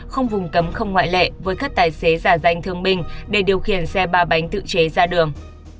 không vùng cấm không ngoại lệ với các tài xế giả danh thương binh để điều khiển xe ba bánh tự chế ra đường